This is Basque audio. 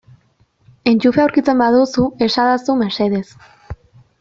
Entxufea aurkitzen baduzu esadazu mesedez.